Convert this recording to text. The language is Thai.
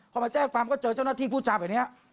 พอมาแจ้งความก็เจอเจ้าหน้าที่พูดจาแบบนี้